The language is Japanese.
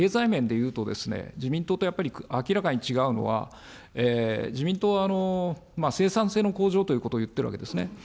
経済面でいいますとね、自民党とやっぱり明らかに違うのは、自民党は生産性の向上ということを言っているわけですね。